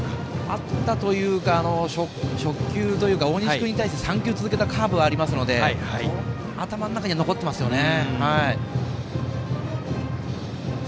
あったというか初球というか大西君に対して３球続けたカーブがありますので頭の中には残ってますよね。